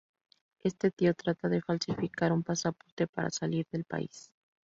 Este tío trata de falsificar un pasaporte para salir del país.